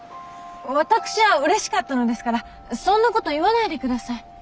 私はうれしかったのですからそんなこと言わないで下さい。